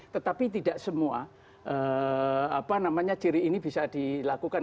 tetapi tidak semua apa namanya ciri ini bisa dilakukan